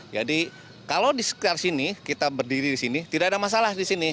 jadi kalau di sekitar sini kita berdiri di sini tidak ada masalah di sini